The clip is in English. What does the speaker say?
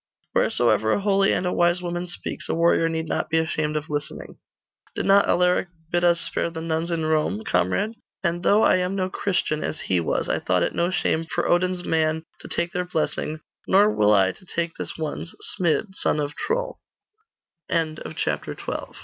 'Wheresoever a holy and a wise woman speaks, a warrior need not be ashamed of listening. Did not Alaric bid us spare the nuns in Rome, comrade? And though I am no Christian as he was, I thought it no shame for Odin's man to take their blessing; nor will